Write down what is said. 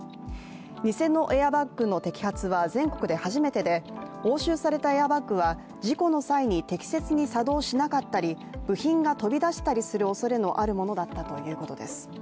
偽のエアバッグの摘発は全国で初めてで押収されたエアバッグは事故の際に適切に作動しなかったり部品が飛び出したりするおそれのあるものだったということです。